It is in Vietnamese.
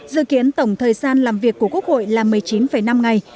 dự kiến tổng thời gian làm việc của quốc hội là một mươi chín năm ngày